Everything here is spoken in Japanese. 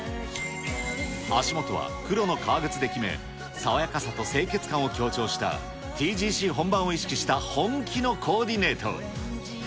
足元は黒の革靴で決め、爽やかさと清潔感を強調した、ＴＧＣ本番を意識した本気のコーディネート。